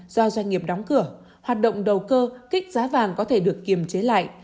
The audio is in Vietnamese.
do doanh nghiệp đóng cửa hoạt động đầu cơ kích giá vàng có thể được kiềm chế lại